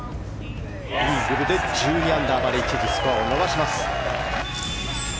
イーグルで１２アンダーまで一時スコアを伸ばします。